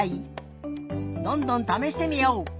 どんどんためしてみよう！